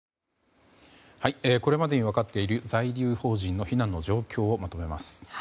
これまでに分かっている在留邦人の避難の情報をまとめます。